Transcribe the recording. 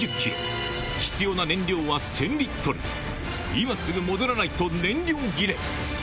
今すぐ戻らないと燃料切れ！